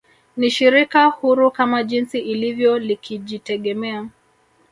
Ni Shirika huru kama jinsi ilivyo likijitegemea